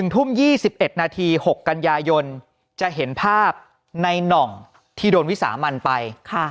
ทุ่ม๒๑นาที๖กันยายนจะเห็นภาพในน่องที่โดนวิสามันไป